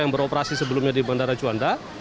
yang beroperasi sebelumnya di bandara juanda